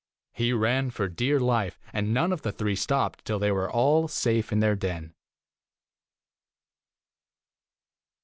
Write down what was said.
He ran for dear life, and none of the three stopped till they were all safe in their den."